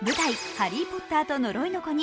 「ハリー・ポッターと呪いの子」に